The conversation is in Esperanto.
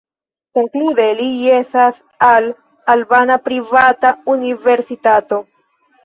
Konklude, li jesas al albana privata universitato.